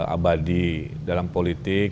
abadi dalam politik